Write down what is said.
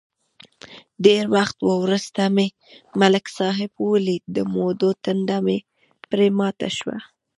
ډېر وخت ورسته مې ملک صاحب ولید، د مودو تنده مې پرې ماته شوه.